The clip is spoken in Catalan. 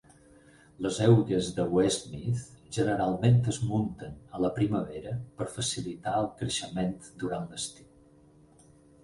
Les eugues de Westmeath generalment es munten a la primavera per facilitar el creixement durant l'estiu.